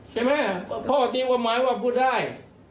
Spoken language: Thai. ใช่ไหมพออาจจะหมายว่าพูดได้